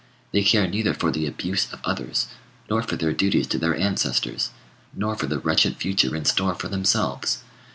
They care neither for the abuse of others, nor for their duties to their ancestors, nor for the wretched future in store for themselves.